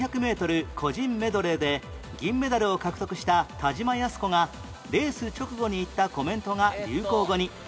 個人メドレーで銀メダルを獲得した田島寧子がレース直後に言ったコメントが流行語に